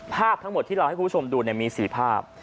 ภาพทั้งหมดที่เราให้คุณผู้ชมดูมี๔ภาพ